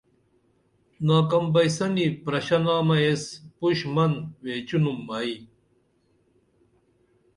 ناکم بئیسنی پرشہ نامہ ایس پُش من ویچینُم ائی